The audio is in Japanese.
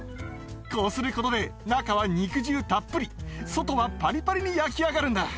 こうすることで中は肉汁たっぷり外はパリパリに焼き上がるんだ！